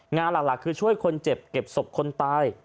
งานหลักคือช่วยคนเจ็บเก็บศพคนตาย